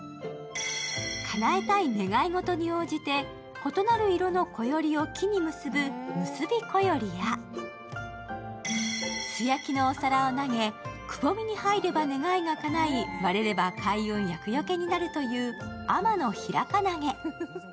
かなえたい願い事に応じて異なる色のこよりを木に結ぶむすびこよりや、素焼きのお皿を投げ、くぼみに入れば願いがかない、割れれば、開運厄よけになるという天のひらか投げ。